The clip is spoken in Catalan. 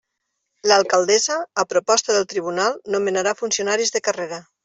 L'Alcaldessa, a proposta del Tribunal, nomenarà funcionaris de carrera.